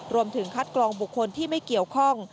รวมถึงคัดกรองบุคคลที่ไม่เกี่ยวข้อง